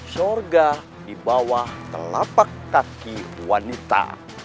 shorga di bawah telapak kaki wanita